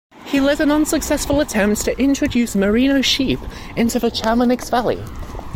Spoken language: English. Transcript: He led an unsuccessful attempt to introduce Merino sheep into the Chamonix valley.